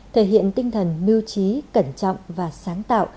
thể hiện tinh thần mưu trí cẩn trọng và sáng tạo